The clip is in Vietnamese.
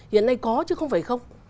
hiện nay có chứ không phải không